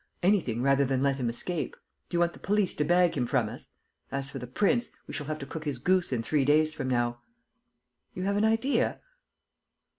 Anything rather than let him escape! Do you want the prince to bag him from us? As for the prince, we shall have to cook his goose in three days from now. ... You have an idea?